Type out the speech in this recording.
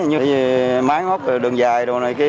như máy hốt đường dài đồ này kia